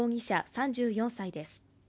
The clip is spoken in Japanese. ３４歳です。